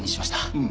うん。